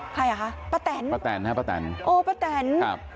ใครอ่ะคะป๊าแตนครับป๊าแตนครับ